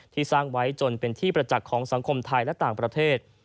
สร้างไว้จนเป็นที่ประจักษ์ของสังคมไทยและต่างประเทศ